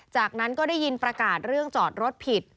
จากนั้นก็ได้ยินประกาศเรื่องจอดรถผิด